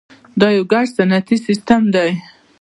دا یو ګډ صنعتي سیستم دی.